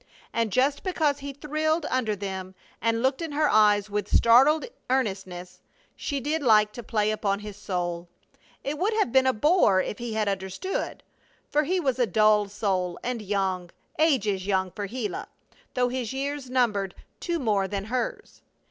And just because he thrilled under them, and looked in her eyes with startled earnestness, did she like to play upon his soul. It would have been a bore if he had understood, for he was a dull soul, and young ages young for Gila, though his years numbered two more than hers.